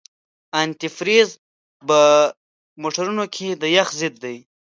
انتي فریز په موټرونو کې د یخ ضد دی.